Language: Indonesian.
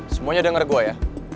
semuanya denger gue ya